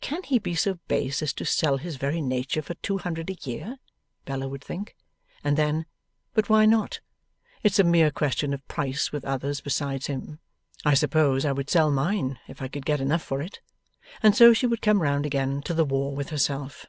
'Can he be so base as to sell his very nature for two hundred a year?' Bella would think. And then, 'But why not? It's a mere question of price with others besides him. I suppose I would sell mine, if I could get enough for it.' And so she would come round again to the war with herself.